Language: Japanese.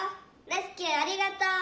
レスキューありがとう！」。